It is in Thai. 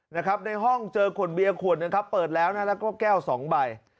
นะครับในห้องเจอขนเบียร์ขวดนึงครับเปิดแล้วนะแล้วก็แก้ว๒ใบ